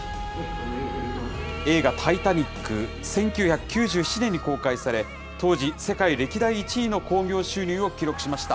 映画、タイタニック、１９９７年に公開され、当時、世界歴代１位の興行収入を記録しました。